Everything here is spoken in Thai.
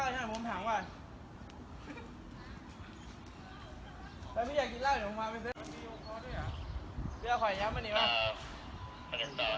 กลับมาเมื่อเวลาเมื่อเวลา